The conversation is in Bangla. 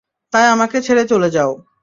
তাই আমাকে ছেড়ে চলে যাও।